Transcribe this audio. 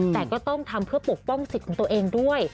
แต่ก็ต้องทำเพื่อปกป้องสิทธิ์ของตัวเองด้วย